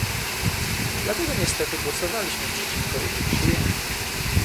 Dlatego niestety głosowaliśmy przeciwko jego przyjęciu